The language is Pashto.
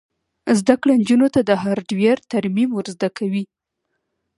زده کړه نجونو ته د هارډویر ترمیم ور زده کوي.